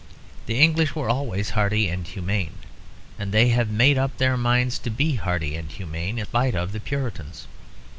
The English were always hearty and humane, and they have made up their minds to be hearty and humane in spite of the Puritans.